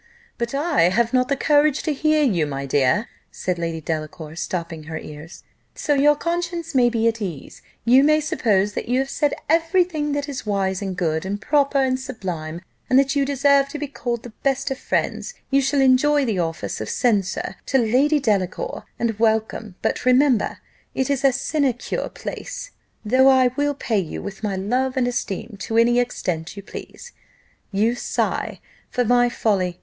"But I have not the courage to hear you, my dear," said Lady Delacour, stopping her ears. "So your conscience may be at ease; you may suppose that you have said every thing that is wise, and good, and proper, and sublime, and that you deserve to be called the best of friends; you shall enjoy the office of censor to Lady Delacour, and welcome; but remember, it is a sinecure place, though I will pay you with my love and esteem to any extent you please. You sigh for my folly.